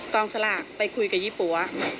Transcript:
สลากไปคุยกับยี่ปั๊ว